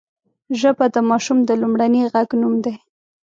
ژبه د ماشوم د لومړني غږ نوم دی